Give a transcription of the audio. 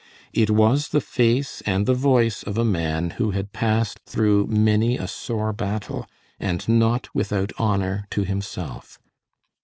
It was the face and the voice of a man who had passed through many a sore battle, and not without honor to himself.